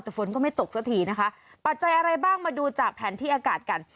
แต่ฝนก็ไม่ตกสักทีนะคะปัจจัยอะไรบ้างมาดูจากแผนที่อากาศกัน